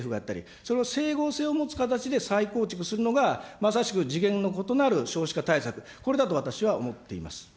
それを整合性を持つ形で再構築するのが、まさしく次元の異なる少子化対策、これだと私は思っています。